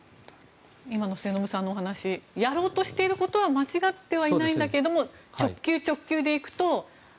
今の末延さんのお話やろうとしていることは間違ってはいないんだけれども直球直球でいくと。